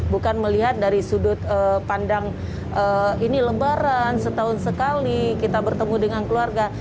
bukan melihat dari sudut pandang ini lembaran setahun sekali kita bertemu dengan keluarga